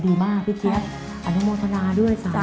ดีมากพี่แจ๊คอนุโมทนาด้วยสามชิ้น